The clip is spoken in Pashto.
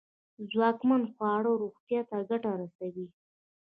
ځواکمن خواړه روغتیا ته گټه رسوي.